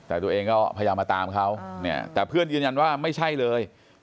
แต่ตัวเองก็พยายามมาตามเขาเนี่ยแต่เพื่อนยืนยันว่าไม่ใช่เลย